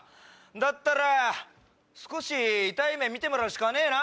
だったら少し痛い目見てもらうしかねえな！